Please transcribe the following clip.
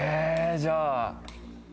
じゃあ。